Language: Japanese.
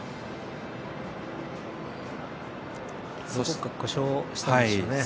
どこか故障したんでしょうね。